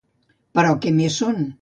Però què més són?